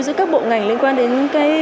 giữa các bộ ngành liên quan đến